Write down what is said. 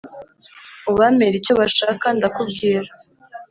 ubampere icyo bashaka ndakubwira